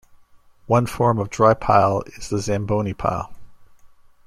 One form of dry pile is the Zamboni pile.